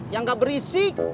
yang nggak berisik